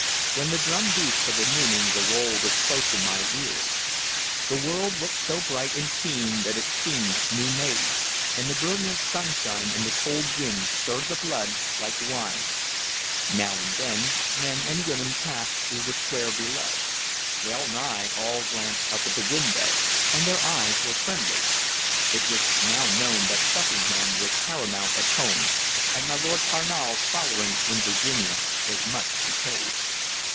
When the drum beat for the nooning the roll was close in my ears. The world looked so bright and keen that it seemed new made, and the brilliant sunshine and the cold wind stirred the blood like wine. Now and then men and women passed through the square below. Well nigh all glanced up at the window, and their eyes were friendly. It was known now that Buckingham was paramount at home, and my Lord Carnal's following in Virginia was much decayed.